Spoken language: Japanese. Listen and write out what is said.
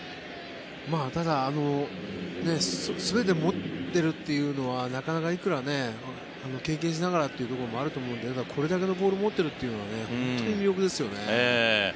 ただそれで持ってるというのはなかなかいくら、経験しながらというところもあるのでこれだけのボールを持っているというのは本当に魅力ですよね。